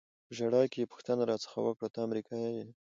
په ژړا کې یې پوښتنه را څخه وکړه: ته امریکایي یې؟